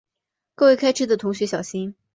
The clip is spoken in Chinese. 各位开车的同学小心